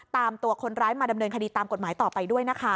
ตามตัวคนร้ายมาดำเนินคดีตามกฎหมายต่อไปด้วยนะคะ